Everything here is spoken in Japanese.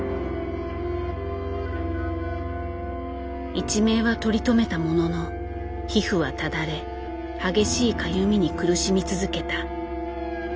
一命は取り留めたものの皮膚はただれ激しいかゆみに苦しみ続けた。